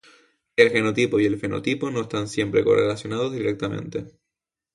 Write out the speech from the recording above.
El genotipo y el fenotipo no están siempre correlacionados directamente.